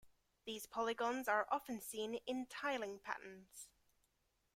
These polygons are often seen in tiling patterns.